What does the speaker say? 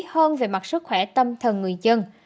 hơn về mặt sức khỏe tâm thần người dân